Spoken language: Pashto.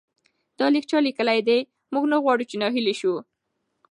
دا لیک چا لیکلی دی؟ موږ نه غواړو چې ناهیلي سو.